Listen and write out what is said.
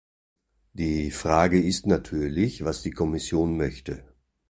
Die Frage ist natürlich, was die Kommission möchte.